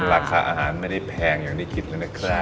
ราคาอาหารไม่ได้แพงอย่างที่คิดเลยนะครับ